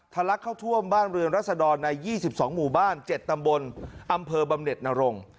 ลักเข้าท่วมบ้านเรือนรัศดรใน๒๒หมู่บ้าน๗ตำบลอำเภอบำเน็ตนรงค์